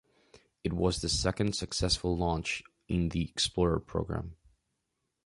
It was the second successful launch in the Explorer program.